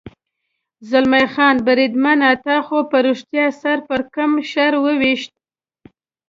زلمی خان: بریدمنه، تا خو په رښتیا سر پړکمشر و وېشت.